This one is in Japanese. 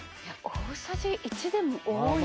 大さじ１でも多い。